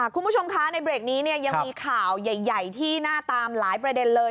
คุณผู้ชมคะในเบรกนี้ยังมีข่าวใหญ่ที่น่าตามหลายประเด็นเลย